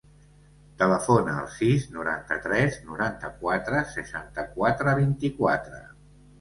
Telefona al sis, noranta-tres, noranta-quatre, seixanta-quatre, vint-i-quatre.